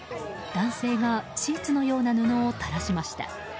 男性がシーツのような布を垂らしました。